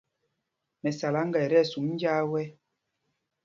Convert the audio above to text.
Mɛsáláŋga ɛ tí ɛsum njāā wɛ̄.